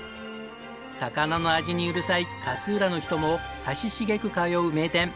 魚の味にうるさい勝浦の人も足しげく通う名店。